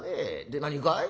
で何かい？